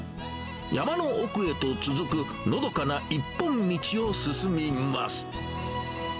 山の奥へと続くのどかな一本道を進みます。